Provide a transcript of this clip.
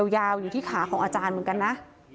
ยาวอยู่ที่ขาของอาจารย์เหมือนกันนะ